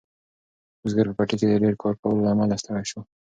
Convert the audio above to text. بزګر په پټي کې د ډیر کار کولو له امله ستړی شو.